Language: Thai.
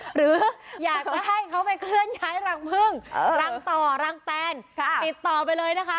หรืออยากจะให้เขาไปเคลื่อนย้ายรังพึ่งรังต่อรังแตนติดต่อไปเลยนะคะ